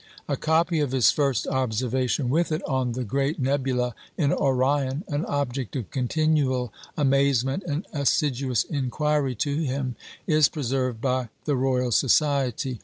A copy of his first observation with it, on the great Nebula in Orion an object of continual amazement and assiduous inquiry to him is preserved by the Royal Society.